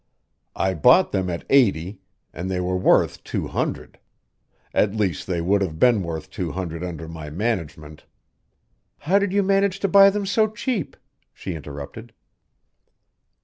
I bought them at eighty, and they were worth two hundred; at least, they would have been worth two hundred under my management " "How did you manage to buy them so cheap?" she interrupted.